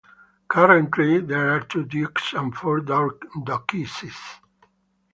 Currently, there are two dukes and four duchesses.